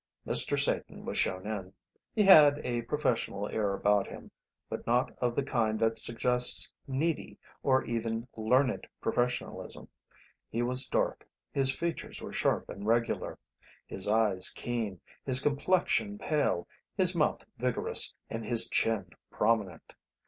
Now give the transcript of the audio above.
Mr. Satan was shown in. He had a professional air about him, but not of the kind that suggests needy or even learned professionalism. He was dark; his features were sharp and regular, his eyes keen, his complexion pale, his mouth vigorous, and his chin prominent.